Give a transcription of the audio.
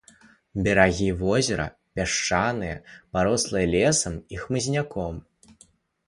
Берагі возера пясчаныя, парослыя лесам і хмызняком.